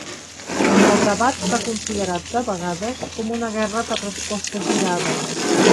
El debat s'ha considerat de vegades com una guerra de respostes irades.